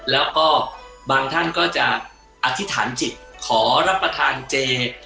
แล้วก็บางท่านก็จะอธิษฐานจิตขอรับประทานเจ